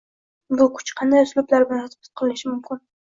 Bu kuch qanday uslublar bilan tatbiq qilinishi mumkin?